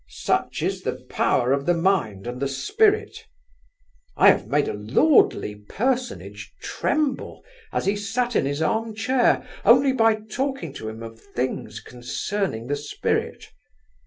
Such is the power of the mind and the spirit. I have made a lordly personage tremble, as he sat in his armchair... only by talking to him of things concerning the spirit.